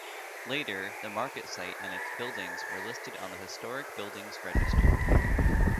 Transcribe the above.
Later, the Market site and its buildings were listed on the Historic Buildings Register.